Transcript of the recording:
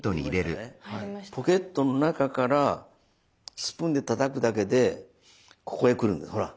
ポケットの中からスプーンでたたくだけでここへ来るんですほら！